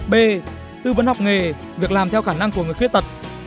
b tư vấn học nghề việc làm theo khả năng của người khuyết tật